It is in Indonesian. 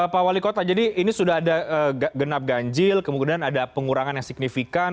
pak wali kota jadi ini sudah ada genap ganjil kemudian ada pengurangan yang signifikan